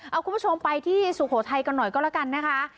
เอาคุณผู้ชมไปที่สุโขทัยกันหน่อยก็แล้วกันนะคะ